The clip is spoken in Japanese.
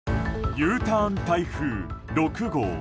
Ｕターン台風６号。